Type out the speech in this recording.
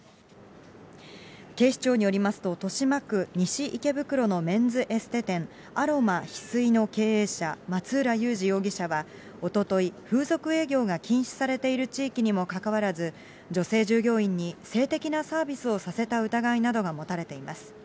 警視庁によりますと、豊島区西池袋のメンズエステ店、Ａｒｏｍａ翡翠の経営者、松浦ゆうじ容疑者はおととい、風俗営業が禁止されている地域にもかかわらず、女性従業員に性的なサービスをさせた疑いなどが持たれています。